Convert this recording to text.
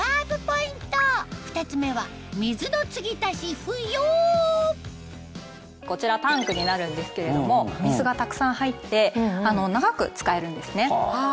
２つ目は水の継ぎ足し不要こちらタンクになるんですけれどもお水がたくさん入って長く使えるんですね。